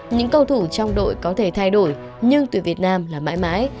những cầu thủ trong đội có thể thay đổi nhưng tuyển việt nam là mãi mãi